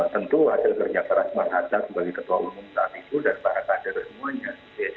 tentu hasil kerja keras bang hadar sebagai ketua umum saat itu dan para kader semuanya